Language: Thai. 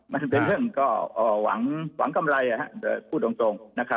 มันเป็นเรื่องก็อ่าหวังหวังกำไรอ่ะฮะเดี๋ยวพูดตรงตรงนะครับ